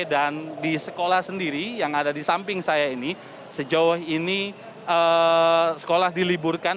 di sekolah sendiri yang ada di samping saya ini sejauh ini sekolah diliburkan